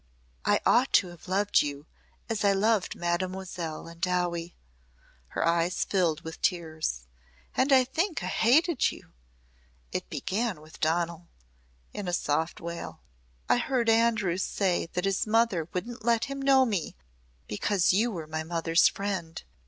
"I ought to have loved you as I loved Mademoiselle and Dowie." Her eyes filled with tears. "And I think I hated you. It began with Donal," in a soft wail. "I heard Andrews say that his mother wouldn't let him know me because you were my mother's friend.